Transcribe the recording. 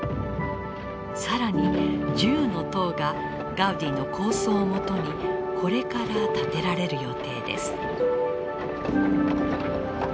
更に１０の塔がガウディの構想をもとにこれから建てられる予定です。